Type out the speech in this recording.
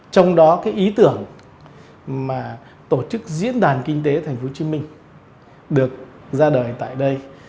trong đó ý tưởng tổ chức diễn đàn kinh tế tp hcm được ra đời tại đây